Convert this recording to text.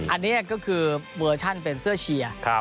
อันนี้ก็คือเวอร์ชั่นเป็นเสื้อเชียร์